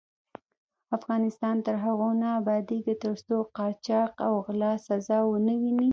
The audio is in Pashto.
افغانستان تر هغو نه ابادیږي، ترڅو قاچاق او غلا سزا ونه ويني.